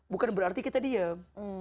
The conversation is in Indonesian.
bukan berarti kita diam